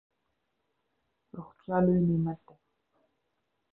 روغتیا لوی نعمت دئ.